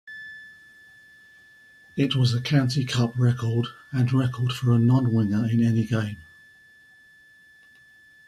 It was a County Cup record and record for a non-winger in any game.